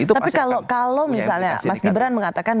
tapi kalau kalau misalnya mas ibran mengatakan